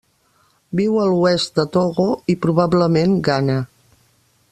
Viu a l'oest de Togo i, probablement, Ghana.